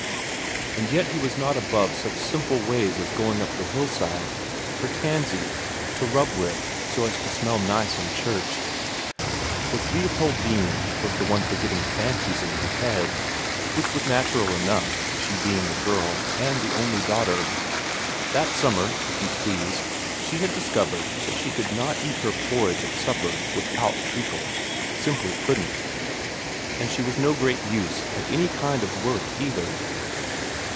And yet he was not above such simple ways as going up the hillside for tansy to rub with so as to smell nice in church. 'Twas Leopoldine was the one for getting fancies in her head, which was natural enough, she being a girl, and the only daughter. That summer, if you please, she had discovered that she could not eat her porridge at supper without treacle simply couldn't. And she was no great use at any kind of work either.